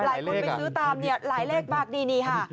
หลายคนไปซื้อตามเนี่ยหลายเลขมากดีค่ะ